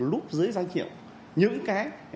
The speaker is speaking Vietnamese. lúp dưới danh hiệu những cái